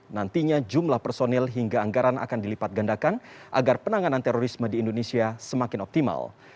nantinya jumlah personil hingga anggaran akan dilipat gandakan agar penanganan terorisme di indonesia semakin optimal